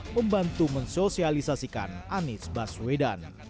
membantu mensosialisasikan anies baswedan